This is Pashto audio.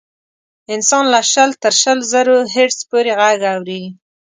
انسان له شل تر شل زرو هرتز پورې غږ اوري.